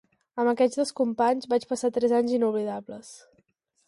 Amb aquests dos companys vaig passar tres anys inoblidables.